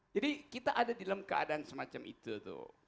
jadi kita ada di dalam keadaan semacam itu